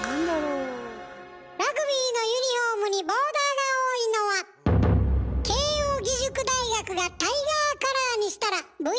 ラグビーのユニフォームにボーダーが多いのは慶應義塾大学がタイガーカラーにしたら部員が増えたから。